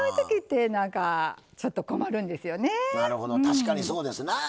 確かにそうですなあ。